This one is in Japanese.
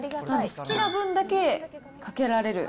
好きな分だけかけられる。